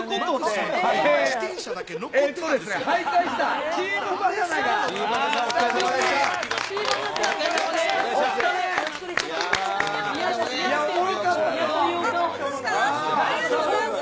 ありがとうございます。